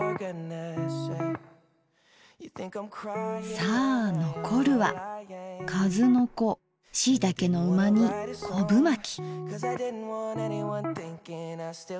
さあ残るはかずのこしいたけのうま煮こぶまき。